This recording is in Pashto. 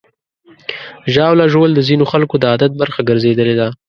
ژاوله ژوول د ځینو خلکو د عادت برخه ګرځېدلې ده.